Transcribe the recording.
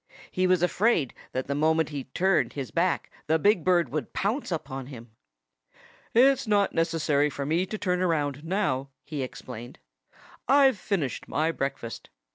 He was afraid that the moment he turned his back the big bird would pounce upon him. "It's not necessary for me to turn around now," he explained. "I've finished my breakfast.